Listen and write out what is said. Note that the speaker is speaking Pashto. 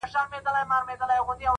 دې لېوني ماحول کي ووايه- پر چا مئين يم-